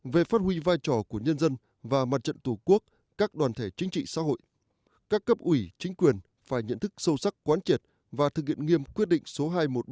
về phát huy vai trò của nhân dân và mặt trận tổ quốc các đoàn thể chính trị xã hội các cấp ủy chính quyền phải nhận thức sâu sắc quán triệt và thực hiện nghiêm quyết định số hai trăm một mươi ba